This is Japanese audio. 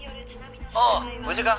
「おう無事か？」